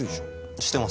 してます。